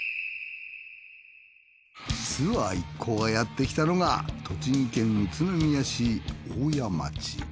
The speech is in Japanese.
ツアー一行がやってきたのが栃木県宇都宮市大谷町。